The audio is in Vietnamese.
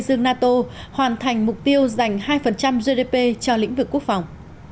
dương nato hoàn thành mục tiêu dành hai gdp cho lĩnh vực quốc phòng